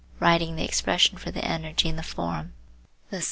Writing the expression for the energy in the form eq.